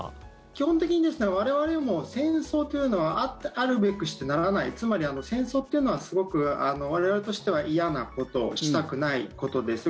基本的に我々は戦争というのはあるべくしてならない。つまり戦争というのはすごく我々としては嫌なことしたくないことです。